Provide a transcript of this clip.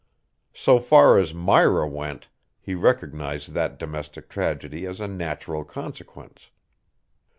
So far as Myra went, he recognized that domestic tragedy as a natural consequence.